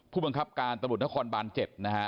ผู้บังคับการตำรวจนครบาน๗นะฮะ